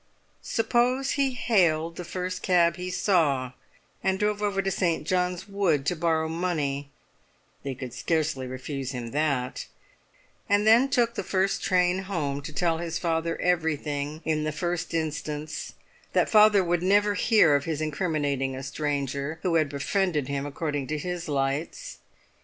Suppose he hailed the first cab he saw, and drove over to St. John's Wood to borrow money (they could scarcely refuse him that), and then took the first train home to tell his father everything in the first instance, that father would never hear of his incriminating a stranger who had befriended him according to his lights.